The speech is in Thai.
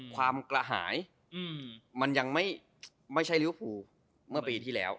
ความกระหายมันยังไม่ใช่ริวภูเมื่อปีที่แล้ว